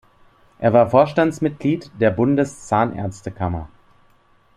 Er war Vorstandsmitglied der Bundeszahnärztekammer.